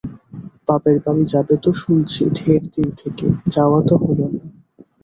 বাপের বাড়ি যাবে তো শুনছি ঢের দিন থেকে, যাওয়া তো হল না।